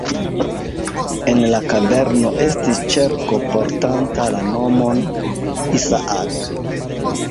En la kaverno estis ĉerko portanta la nomon "Isaak".